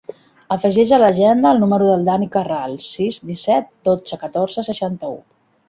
Afegeix a l'agenda el número del Dani Carral: sis, disset, dotze, catorze, seixanta-u.